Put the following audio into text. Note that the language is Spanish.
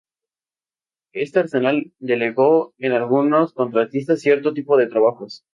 Este Arsenal delegó en algunos contratistas cierto tipo de trabajos.